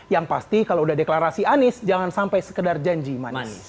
yang pasti kalau udah deklarasi anies jangan sampai sekedar janji manis